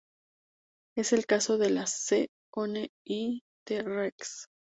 Es el caso de las C-One y T-Rex.